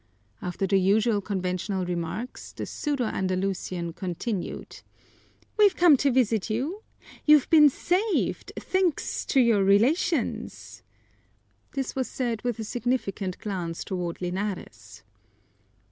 After the usual conventional remarks, the pseudo Andalusian continued: "We've come to visit you. You've been zaved, thankz to your relations." This was said with a significant glance toward Linares.